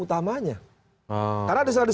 utamanya karena diselalu